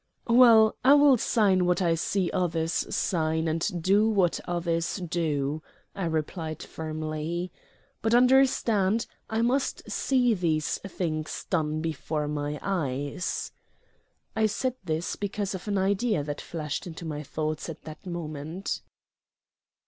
"Well, I will sign what I see others sign and do what others do," I replied firmly. "But, understand, I must see these things done before my eyes." I said this because of an idea that flashed into my thoughts at that moment.